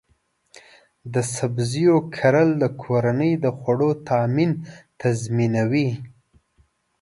د سبزیو کرل د کورنۍ د خوړو تامین تضمینوي.